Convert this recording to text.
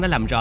đã làm rõ